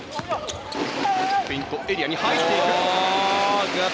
ペイントエリアに入っていく。